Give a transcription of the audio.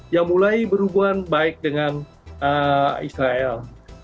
yang mulai berhubungan baik dengan israel